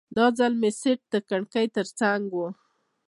دا ځل مې سیټ د کړکۍ ترڅنګ و.